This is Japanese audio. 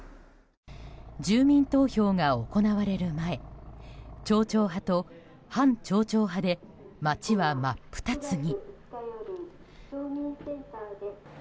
住民投票が行われる前町長派と反町長派で町は真っ二つに。